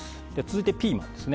続いて、ピーマンです。